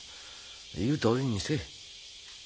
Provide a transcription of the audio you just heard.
言うとおりにせい。